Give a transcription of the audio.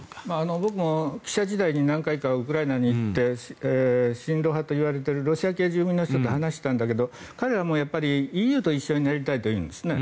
僕も記者時代に何回かウクライナに行って親ロシア派といわれているロシア系の住民と話したんだけど彼らもＥＵと一緒になりたいと言うんですね。